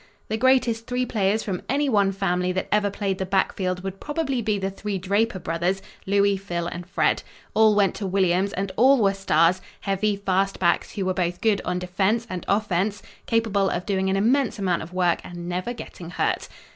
The greatest three players from any one family that ever played the backfield would probably be the three Draper brothers Louis, Phil and Fred. All went to Williams and all were stars; heavy, fast backs, who were good both on defense and offense, capable of doing an immense amount of work and never getting hurt.